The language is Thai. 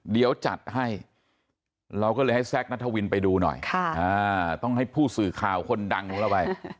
เดี๋ยวจัดให้เราก็เลยให้แซคนัทวินไปดูหน่อยต้องให้ผู้สื่อข่าวคนดังของเราไป